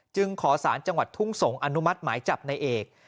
จึงขอสารจังหวัดทุ่งสงศ์อนุมัติหมายจับในเอก